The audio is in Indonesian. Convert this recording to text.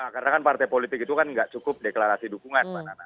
karena kan partai politik itu kan enggak cukup deklarasi dukungan